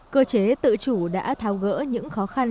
cơ chế tự chủ đã tháo gỡ những khó khăn